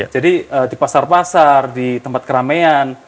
jadi di pasar pasar di tempat keramean